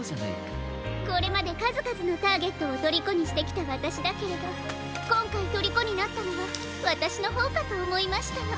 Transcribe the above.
これまでかずかずのターゲットをとりこにしてきたわたしだけれどこんかいとりこになったのはわたしのほうかとおもいましたの。